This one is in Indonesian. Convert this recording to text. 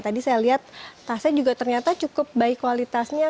tadi saya lihat tasnya juga ternyata cukup baik kualitasnya